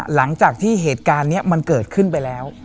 หลังจากที่เหตุการณ์นี้มันเกิดขึ้นไปแล้ว